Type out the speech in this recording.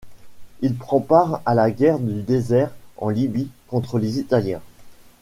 Il prend part à la Guerre du désert en Libye contre les Italiens.